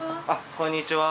こんにちは。